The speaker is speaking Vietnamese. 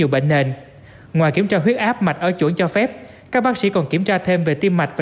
bệnh nền ngoài kiểm tra huyết áp mạch ở chỗ cho phép các bác sĩ còn kiểm tra thêm về tim mạch và